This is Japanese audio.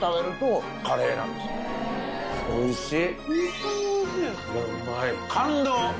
おいしい。